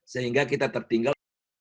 sehingga kita tertinggal